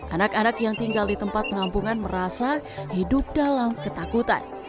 anak anak yang tinggal di tempat penampungan merasa hidup dalam ketakutan